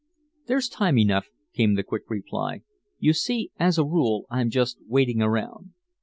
"There's time enough," came the quick reply. "You see as a rule I'm just waiting around.